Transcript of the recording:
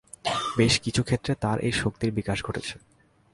বেশ কিছু ক্ষেত্রে তার এই শক্তির বিকাশ ঘটেছে।